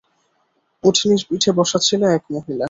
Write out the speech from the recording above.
উটনীর পিঠে বসা ছিল এক মহিলা।